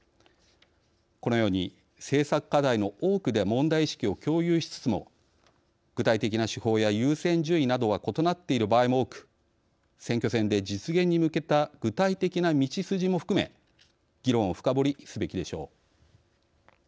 このように政策課題の多くで問題意識を共有しつつも具体的な手法や優先順位などは異なっている場合も多く選挙戦で実現に向けた具体的な道筋も含め議論を深掘りすべきでしょう。